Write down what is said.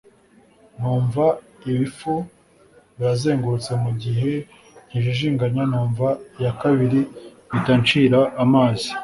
numva ibifu birazengurutse mugihe nkijijinganya numva iyakabiri mpita nshira amazi